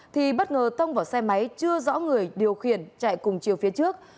thì bất ngờ tông vào xe máy chưa rõ người điều khiển chạy cùng chiều phía trước